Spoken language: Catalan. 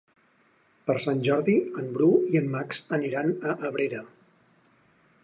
Per Sant Jordi en Bru i en Max aniran a Abrera.